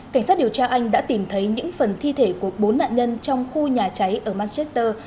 cảnh sát điều tra anh đã tìm thấy những phần thi thể của bốn nạn nhân trong khu nhà cháy ở macedesor